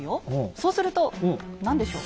そうすると何でしょう？